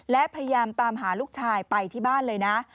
และพยายามตามหาลูกชายไปที่บ้านเลยนะ